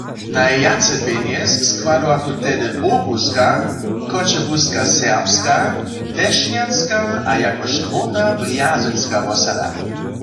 Najwjace pjenjez składowachu tehdy Bórkowska, Choćebuska serbska, Dešnjanska a jako štwórta Brjazynska wosada.